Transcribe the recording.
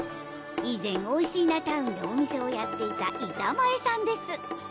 以前おいしーなタウンでお店をやっていた板前さんです